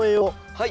はい。